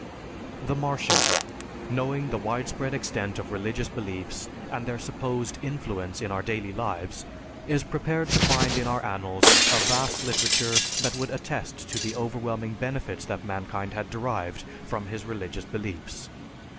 The Martian, knowing the widespread extent of religious beliefs and their supposed influence in our daily lives, is prepared to find in our annals a vast literature that would attest to the overwhelming benefits that mankind had derived from his religious beliefs.